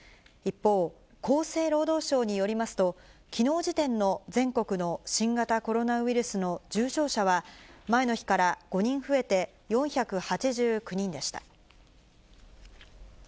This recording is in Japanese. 一方、厚生労働省によりますと、きのう時点の全国の新型コロナウイルスの重症者は、前の日から５人増えて、４８９人でした。